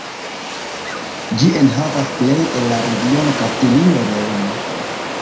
Ĝi enhavas plej el la regiono Kastilio-Leono.